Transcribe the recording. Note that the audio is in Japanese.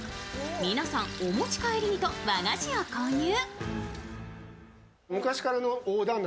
皆さん、お持ち帰りにと和菓子を購入。